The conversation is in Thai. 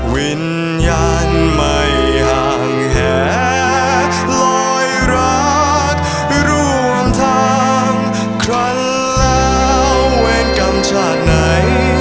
วิญญาณไม่ห่างลอยรักร่วมทางครั้งแล้วเวรกรรมชาติไหน